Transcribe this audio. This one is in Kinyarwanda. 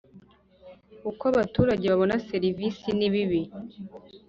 Uko abaturage babona serivisi nibibi.